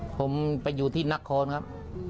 ผมไปอยู่ที่นักคลอนครับ